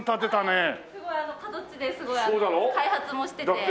すごい角地ですごい開発もしてて。